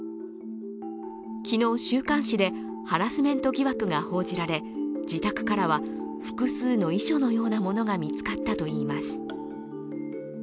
昨日、週刊誌でハラスメント疑惑が報じられ自宅からは複数の遺書のようなものが見つかったといいます。